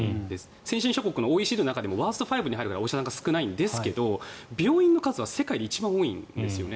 先進諸国のＯＥＣＤの中でもワースト５に入るぐらいお医者さんが少ないんですが病院の数は世界で一番多いんですよね。